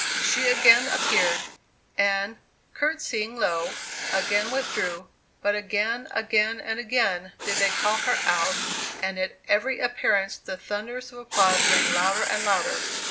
She again appeared, and, courtesying low, again withdrew, but again, again, and again did they call her out and at every appearance the thunders of applause rang louder and louder.